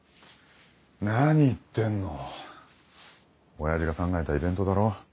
何言ってんの親父が考えたイベントだろ。